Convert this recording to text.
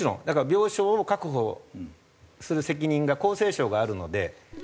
だから病床を確保する責任が厚生省にあるので。